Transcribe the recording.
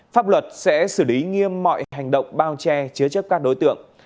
pháp luật sẽ xử lý nghiêm mọi hành động bao che chứa chấp các đối tượng